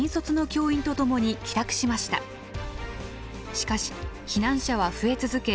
しかし避難者は増え続け